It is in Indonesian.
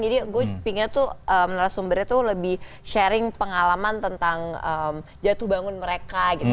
jadi gue pinginnya tuh menelan sumbernya tuh lebih sharing pengalaman tentang jatuh bangun mereka